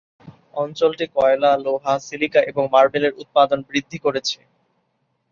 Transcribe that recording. অঞ্চলটি কয়লা, লোহা, সিলিকা এবং মার্বেলের উৎপাদন বৃদ্ধি করেছে।